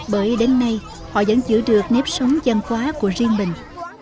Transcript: bởi đến nay họ vẫn giữ được nếp sống văn hóa của riêng mình